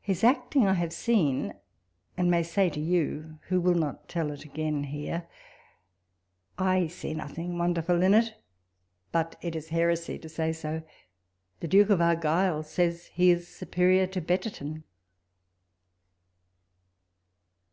His acting 1 have seen, and may say to you, who will not tell it again here, I see nothing wonderful in it ; but it is heresy to say so : the Duke of Argyll says he is superior to Betterton.